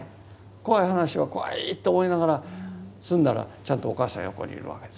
怖い話は怖いと思いながら済んだらちゃんとお母さん横にいるわけですから。